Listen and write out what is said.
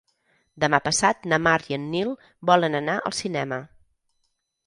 Demà passat na Mar i en Nil volen anar al cinema.